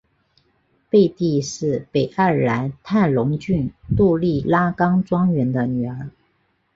贝蒂是北爱尔兰泰隆郡杜利拉冈庄园的女儿。